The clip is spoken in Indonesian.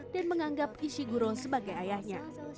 dan menganggap ishiguro sebagai ayahnya